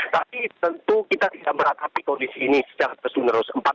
tapi tentu kita tidak meratapi kondisi ini secara terus menerus